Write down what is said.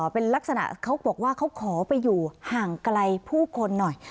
เป็นลักษณะเขาบอกว่าเขาขอไปอยู่ห่างไกลผู้คนหน่อย